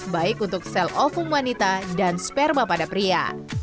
baik untuk sel of humanita dan sperma pada pria